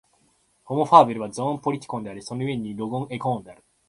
ホモ・ファーベルはゾーン・ポリティコンであり、その故にまたロゴン・エコーンである。